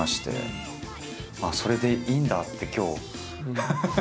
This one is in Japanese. ああそれでいいんだって今日。